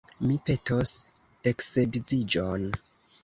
Mi petos eksedziĝon.